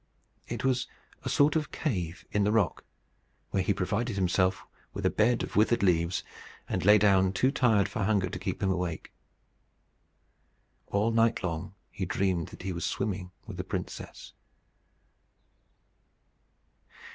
It was a sort of cave in the rock, where he provided himself a bed of withered leaves, and lay down too tired for hunger to keep him awake. All night long he dreamed that he was swimming with the princess.